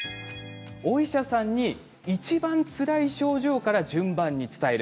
お医者さんにいちばんつらい症状から順番に伝える。